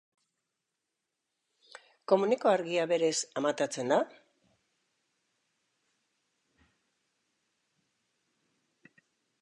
Komuneko argia berez amatatzen da?